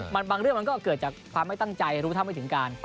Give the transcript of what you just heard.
บางเรื่องมันก็เกิดจากความไม่ตั้งใจรู้เท่าไม่ถึงการ